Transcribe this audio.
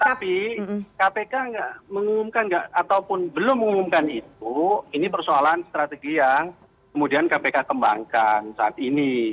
tapi kpk mengumumkan ataupun belum mengumumkan itu ini persoalan strategi yang kemudian kpk kembangkan saat ini